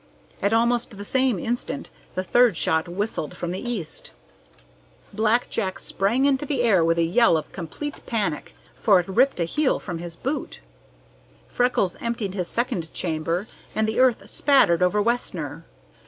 At almost the same instant the third shot whistled from the east. Black Jack sprang into the air with a yell of complete panic, for it ripped a heel from his boot. Freckles emptied his second chamber, and the earth spattered over Wessner.